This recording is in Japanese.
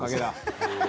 ハハハハ！